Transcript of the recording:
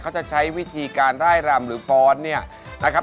เขาจะใช้วิธีการร่ายรำหรือฟ้อนเนี่ยนะครับ